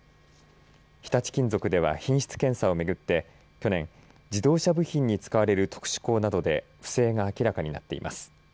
日立金属では品質検査をめぐって去年、自動車部品に使われる特殊鋼なので不正が明らかになっています。